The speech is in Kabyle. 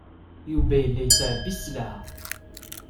Yuba yella yettɛebbi sselɛa.